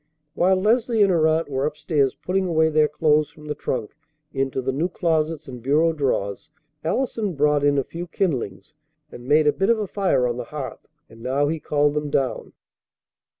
While Leslie and her aunt were up stairs putting away their clothes from the trunk into the new closets and bureau drawers, Allison brought in a few kindlings, and made a bit of a fire on the hearth; and now he called them down.